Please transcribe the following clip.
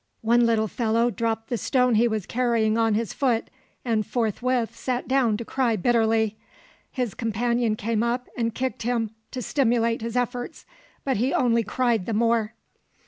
One little fellow dropped the stone he was carrying on his foot, and forthwith sat down to cry bitterly. His companion came up and kicked him to stimulate his efforts, but he only cried the more.